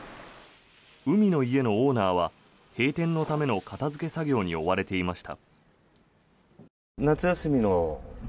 海の家のオーナーは閉店のための片付け作業に追われていました。